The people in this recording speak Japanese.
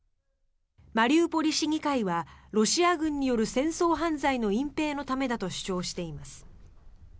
マリウポリ市議会はロシア軍による戦争犯罪の隠ぺいのためだと主張しています。